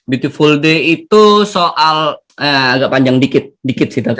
beautiful day itu soal agak panjang dikit dikit sih tapi